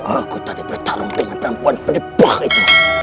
aku tadi bertarung dengan perempuan penipuah itu